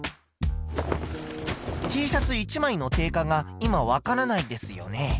Ｔシャツ１枚の定価が今わからないんですよね。